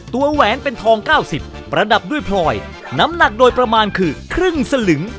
แหวนเป็นทอง๙๐ประดับด้วยพลอยน้ำหนักโดยประมาณคือครึ่งสลึง